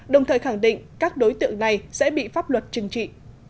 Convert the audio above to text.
đồng thời khẳng định các đối tượng này sẽ bị pháp luật trừng trị